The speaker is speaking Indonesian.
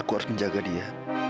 aku harus menjaga dia